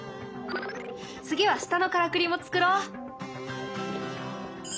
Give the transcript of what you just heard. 次は下のからくりも作ろう。